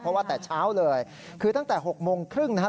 เพราะว่าแต่เช้าเลยคือตั้งแต่๖โมงครึ่งนะครับ